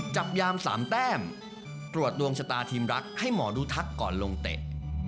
จับยาม๓แต้มตรวจดวงชะตาทีมรักให้หมอดูทักก่อนลงเตะ